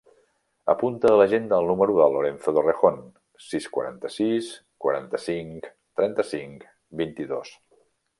Apunta a l'agenda el número del Lorenzo Torrejon: sis, quaranta-sis, quaranta-cinc, trenta-cinc, vint-i-dos.